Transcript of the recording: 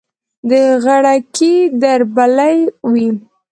د غړکې دربلۍ وي